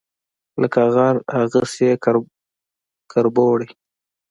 لکه غر، هغسي یې کربوڼی